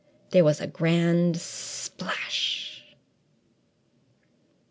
There was a grand splash!